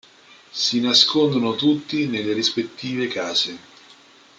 Si nascondono tutti nelle rispettive case.